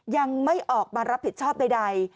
ยังไม่ออกมารับผิดชอบใด